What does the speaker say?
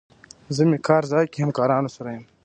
زه مې کار ځای کې همکارانو سره یم.